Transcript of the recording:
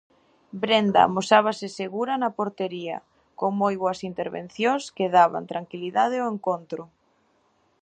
Brenda amosábase segura na portería con moi boas intervencións que daban tranquilidade ao encontro.